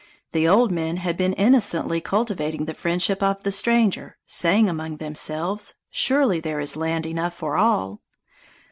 The old men had been innocently cultivating the friendship of the stranger, saying among themselves, "Surely there is land enough for all!"